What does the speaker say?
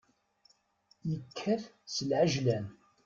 Yekkat s leɛjlan.